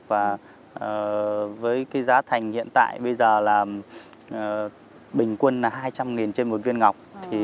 và với giá thành hiện tại bây giờ là bình quân hai trăm linh trên một viên ngọc